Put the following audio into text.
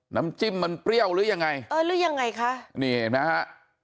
น้ำจิ้มมันเปรี้ยวหรือยังไงเออหรือยังไงคะนี่เห็นไหมฮะ